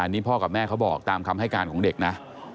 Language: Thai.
นี่พ่อกับแม่เขาบอกตามคำให้การของเด็กนะ